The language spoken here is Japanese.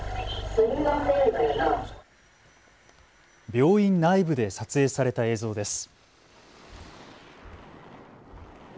病院内部で撮影された映像です。